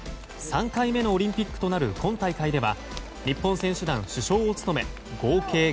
３回目のオリンピックとなる今大会では日本選手団主将を務め合計